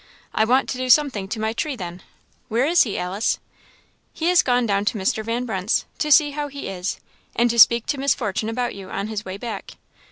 I want to do something to my tree, then. Where is he, Alice?" "He is gone down to Mr. Van Brunt's, to see how he is, and to speak to Miss Fortune about you on his way back."